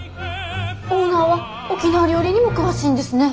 オーナーは沖縄料理にも詳しいんですね。